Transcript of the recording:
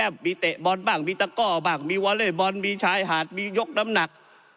มีเตะบอลบ้างมีตะก้อบ้างมีวอเล่บอลมีชายหาดมียกน้ำหนัก